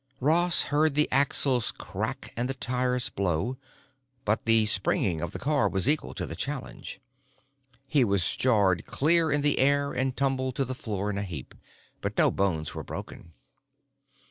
Ross heard the axles crack and the tires blow; but the springing of the car was equal to the challenge. He was jarred clear in the air and tumbled to the floor in a heap; but no bones were broken.